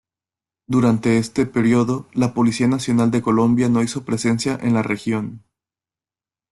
Durante este período, la Policía Nacional de Colombia no hizo presencia en la región.